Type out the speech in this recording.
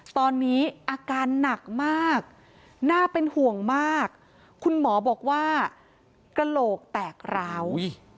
ตอนนี้อาการหนักมากน่าเป็นห่วงมากคุณหมอบอกว่ากระโหลกแตกร้าว